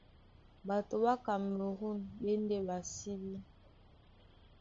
Ɓatoi ɓá Kamerûn ɓá e ndé ɓásíbí.